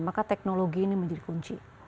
maka teknologi ini menjadi kunci